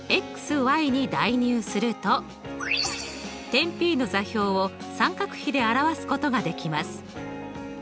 点Ｐの座標を三角比で表すことができます。